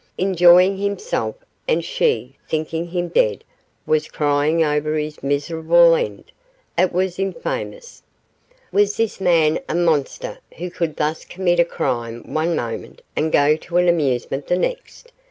Enjoying himself, and she, thinking him dead, was crying over his miserable end; it was infamous! Was this man a monster who could thus commit a crime one moment and go to an amusement the next?